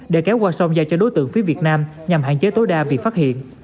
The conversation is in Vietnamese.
để kéo qua sông giao cho đối tượng phía việt nam nhằm hạn chế tối đa việc phát hiện